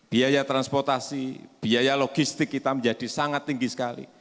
biaya transportasi biaya logistik kita menjadi sangat tinggi sekali